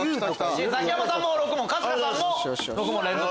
ザキヤマさんも６問春日さんも６問連続。